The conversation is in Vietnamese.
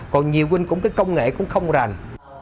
còn nhiều vin cũng cái công nghệ cũng không rành